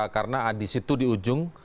karena di situ di ujung